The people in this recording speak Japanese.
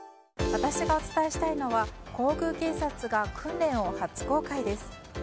私がお伝えしたいのは皇宮警察が訓練を初公開です。